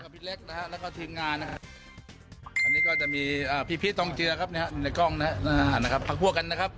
พี่เล็กนะฮะแล้วก็ทีมงานนะครับอันนี้ก็จะมีพี่พีชทองเจือครับในกล้องนะครับพักพวกกันนะครับ